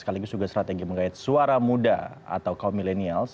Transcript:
kali ini sudah strategi mengait suara muda atau kaum milenials